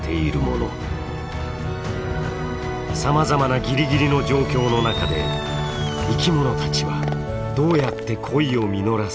さまざまなギリギリの状況の中で生きものたちはどうやって恋を実らせるのか。